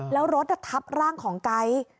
แล้วรถอ่ะทับร่างของไกด์